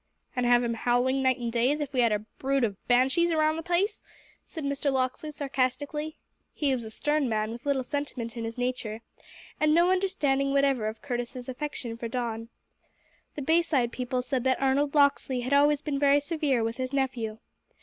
"And have him howling night and day as if we had a brood of banshees about the place?" said Mr. Locksley sarcastically. He was a stern man with little sentiment in his nature and no understanding whatever of Curtis's affection for Don. The Bayside people said that Arnold Locksley had always been very severe with his nephew.